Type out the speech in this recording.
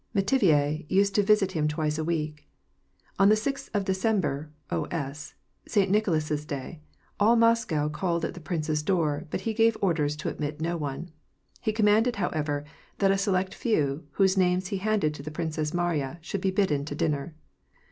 Meti vier used to visit him twice a week. On the 6th of December (O.S.), — St. Nicholas's Day, — ^1 Moscow called at the prince's door, but he gave orders to admit no one. He commanded, however, that a select few, whose names he handed the Princess Mariya, should be bidden to dinner.